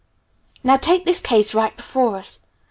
Now take this case right before us.